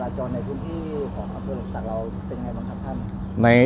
เป็นไงบ้างครับท่าน